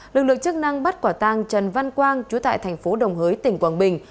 lực lượng chức năng bắt quả tàng trần văn quang trú tại thành phố đồng hới tỉnh quảng bình